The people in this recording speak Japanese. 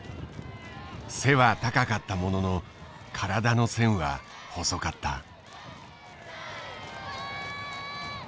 背は高かったものの体の線は細かった。